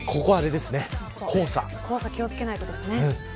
黄砂、気を付けないとですね。